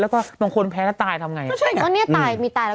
แล้วก็บางคนแพ้แล้วตายทำไงใช่ไงก็เนี้ยตายมีตายแล้ว